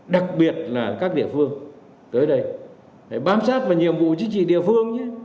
đặc biệt là các địa phương tới đây bám sát vào nhiệm vụ chính trị địa phương nhé